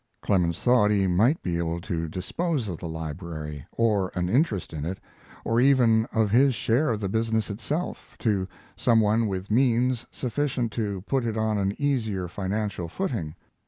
Clemens thought he might be able to dispose of the Library or an interest in it, or even of his share of the business itself, to some one with means sufficient to put it on an easier financial footing.